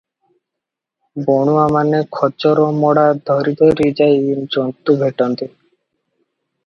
ବଣୁଆ ମାନେ ଖୋଜର ମଡ଼ା ଧରିଧରି ଯାଇ ଜନ୍ତୁ ଭେଟନ୍ତି ।